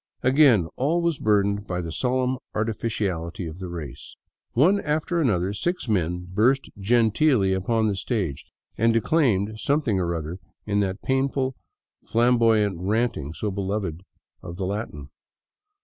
Again all was burdened by the solemn artifici aHty of the race. One after another six men burst genteelly upon the stage and declaimed something or other in that painful, flamboyant ranting so beloved of the Latin.